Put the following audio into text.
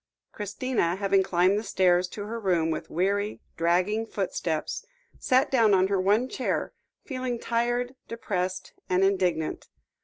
Christina, having climbed the stairs to her room with weary, dragging footsteps, sat down on her one chair, feeling tired, depressed, and indignant.